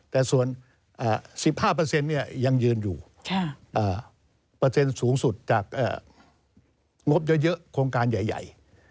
แต่ส่วน๑๕ยังยืนอยู่เปอร์เซ็นต์สูงสุดจากงบเยอะโครงการใหญ่